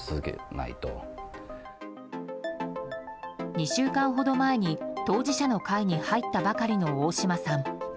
２週間ほど前に当事者の会に入ったばかりの大島さん。